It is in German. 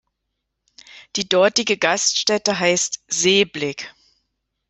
Die dortige Gaststätte heißt "Seeblick".